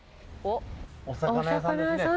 お魚屋さんですね。